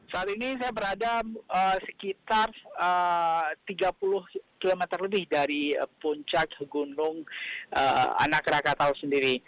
saat ini saya berada sekitar tiga puluh km lebih dari puncak gunung anak rakatau sendiri